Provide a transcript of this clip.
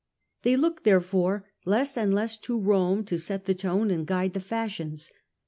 They looked therefore less and less to Rome to set the tone and guide the fashions.